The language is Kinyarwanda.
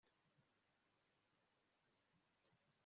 no ku kuba imigenzereze yabo mu rwego